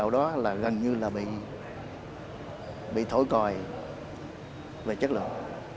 đó là gần như là bị thổi còi về chất lượng